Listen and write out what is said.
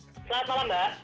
selamat malam mbak